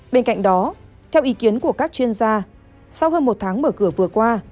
bên cạnh đó theo ý kiến của các chuyên gia sau hơn một tháng mở cửa vừa qua